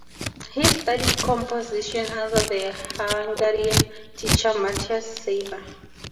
He studied composition under the Hungarian teacher Matyas Seiber.